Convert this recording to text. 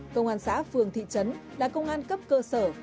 công an xã phường thị trấn là công an cấp cơ sở